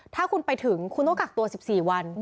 ถ้าคุณไปถึงคุณต้องกักตัว๑๔วัน